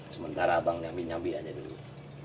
sementara abang nyambi nyambi aja dulu